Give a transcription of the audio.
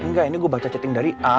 enggak ini gua baca chatting dari al